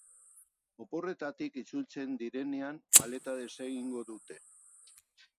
Oporretatik itzultzen direnean maleta desegingo dute.